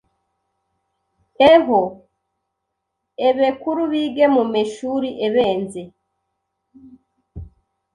eho ebekuru bige mu meshuri ebenze